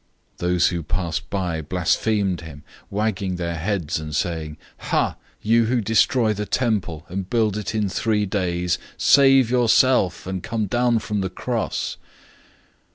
015:029 Those who passed by blasphemed him, wagging their heads, and saying, "Ha! You who destroy the temple, and build it in three days, 015:030 save yourself, and come down from the cross!"